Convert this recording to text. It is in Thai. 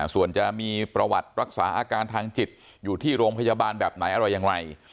ส่วนจะมีประวัติรักษาอาการทางจิตอยู่ที่โรงพยาบาลแบบไหนอะไรอย่างไร